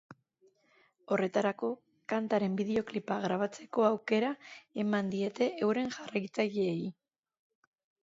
Horretarako, kantaren bideoklipa grabatzeko aukera eman diete euren jarraitzaileei.